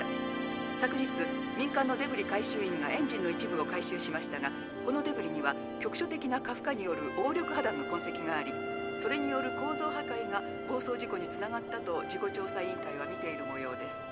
昨日民間のデブリ回収員がエンジンの一部を回収しましたがこのデブリには局所的な過負荷による応力破断の痕跡がありそれによる構造破かいが暴走事故につながったと事故調査委員会は見ているもようです」。